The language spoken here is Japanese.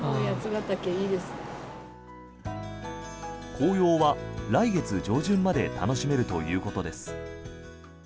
紅葉は来月上旬まで楽しめるということです。